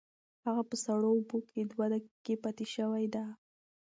هغه په سړو اوبو کې دوه دقیقې پاتې شوې ده.